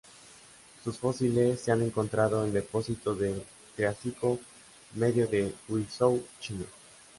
Sus fósiles se han encontrado en depósitos del Triásico Medio de Guizhou, China.